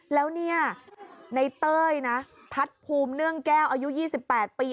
แล้วเนี่ยในเต้ยนะทัศน์ภูมิเนื่องแก้วอายุ๒๘ปี